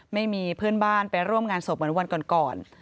ไม่มีเพื่อนบ้านไปร่วมงานศพเหมือนวันก่อน